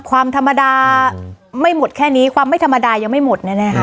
ความธรรมดาไม่หมดแค่นี้ความไม่ธรรมดายังไม่หมดแน่ค่ะ